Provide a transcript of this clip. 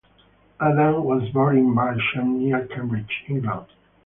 Adam was born in Balsham, near Cambridge, England.